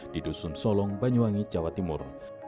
di dusun solong banyuwangi jawa timur